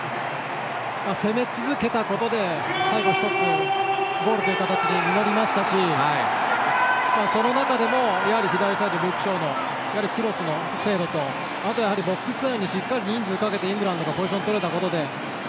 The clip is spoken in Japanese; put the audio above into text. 攻め続けたことで最後、１つゴールという形で実りましたしその中でも左サイドのルーク・ショーのクロスの精度とボックス内でしっかり人数をかけてポジションをとれたことで。